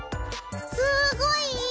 すっごいいい！